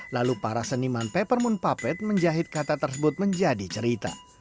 lalu para seniman peppermint puppet menjahit kata tersebut menjadi cerita